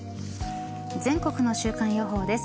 全国の週間予報です。